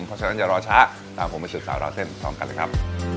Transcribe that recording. เพราะฉะนั้นอย่ารอช้าตามผมไปสืบสาวราวเส้นพร้อมกันเลยครับ